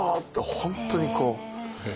本当にこう。